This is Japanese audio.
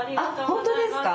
本当ですか？